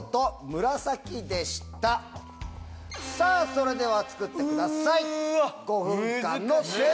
それでは作ってください。